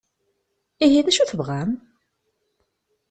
Ihi d acu i tebɣam?